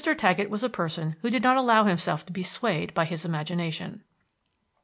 Taggett was a person who did not allow himself to be swayed by his imagination.